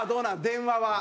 電話は。